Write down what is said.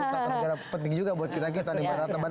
tata negara penting juga buat kita kita di maratan